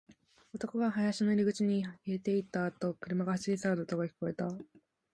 男が林の入り口に消えていったあと、車が走り去る音が聞こえた